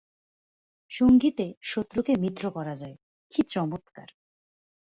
সঙ্গীতে শত্রুকে মিত্র করা যায়, কি চমৎকার!